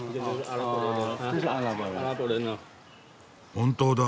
本当だ。